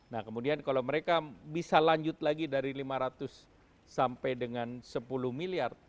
nah kemudian kalau mereka bisa lanjut lagi dari lima ratus sampai dengan sepuluh miliar